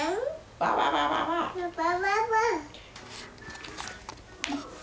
バババ。